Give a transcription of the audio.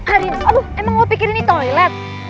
aduh emang lo pikir ini toilet